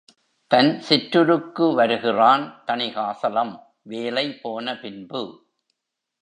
தன் சிற்றுருக்கு வருகிறான் தணிகாசலம், வேலை போன பின்பு.